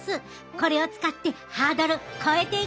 これを使ってハードル越えていくで！